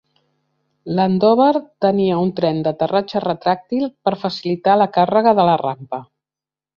L'Andover tenia un tren d'aterratge retràctil per facilitar la càrrega de la rampa.